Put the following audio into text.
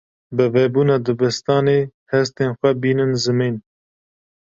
Bi vebûna dibistanê, hestên xwe bînin zimên.